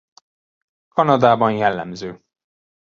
Kanadában jellemző.